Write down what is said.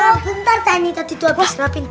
iya bentar tadi tuh abis napin